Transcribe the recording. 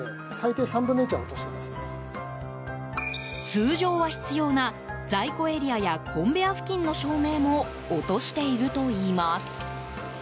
通常は必要な在庫エリアやコンベヤー付近の照明も落としているといいます。